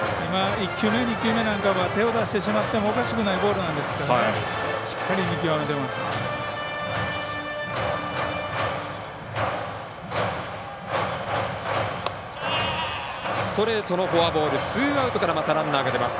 １球目、２球目なんかは手を出してしまってもおかしくないボールなんですけどしっかり見極めてます。